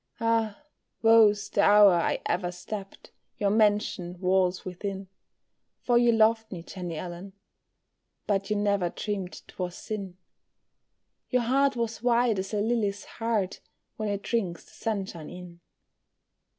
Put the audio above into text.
Ah, woe's the hour I ever stepped Your mansion walls within; For you loved me, Jenny Allen, But you never dreamed 'twas sin; Your heart was white as a lily's heart, When it drinks the sunshine in.